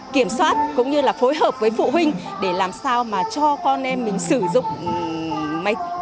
kiểm soát cũng như là phối hợp với phụ huynh để làm sao mà cho con em mình sử dụng máy